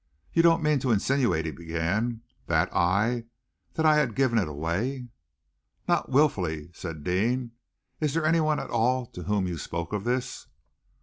"You don't mean to insinuate," he began, "that I that I had given it away?" "Not wilfully," answered Deane. "Is there anyone at all to whom you spoke of this?"